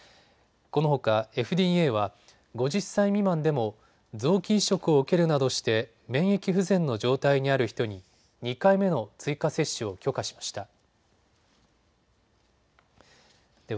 このほかＦＤＡは５０歳未満でも臓器移植を受けるなどして免疫不全の状態にある人に２回目の追加接種を許可しました。